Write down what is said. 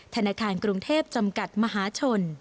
ธนาคารกรุงเทพจำกัดมหาชน